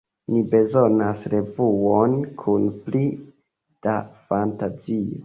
Ni bezonas revuon kun pli da fantazio.